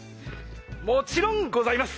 もちろんございます！